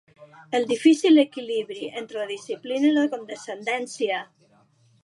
El difícil equilibri entre la disciplina i la condescendència.